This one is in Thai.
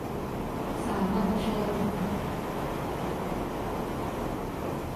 สามัญชน